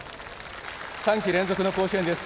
３季連続の甲子園です。